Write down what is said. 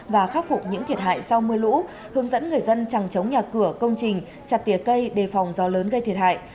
và khắc phục những thiệt hại sau mưa lũ hướng dẫn người dân trằng chống nhà cửa công trình chặt tìa cây đề phòng do lớn gây thiệt hại